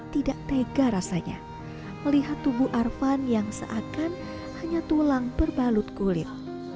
tidak tega rasanya melihat tubuh arfan yang seakan hanya tulang berbalut kulit